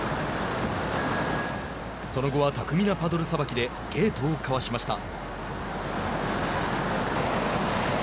その後は巧みなパドルさばきでゲートをかわしました。